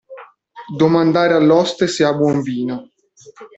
Domandare all'oste se ha buon vino.